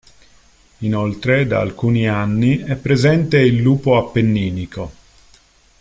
Inoltre, da alcuni anni è presente il lupo appenninico.